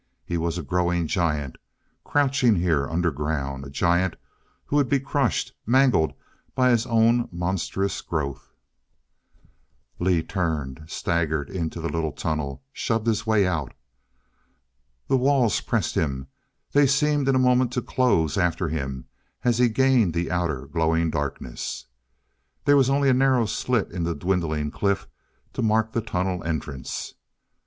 He was a growing giant, crouching here underground a giant who would be crushed, mangled by his own monstrous growth. Lee turned, staggered into the little tunnel, shoved his way out. The walls pressed him; they seemed in a moment to close after him as he gained the outer glowing darkness.... There was only a narrow slit in the dwindling cliff to mark the tunnel entrance.